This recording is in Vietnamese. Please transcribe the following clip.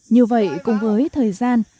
như vậy cùng với thời gian